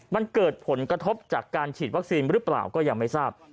มันเกิดผลกระทบจากการฉีดวัคซีนหรือเปล่าก็ยังไม่ทราบ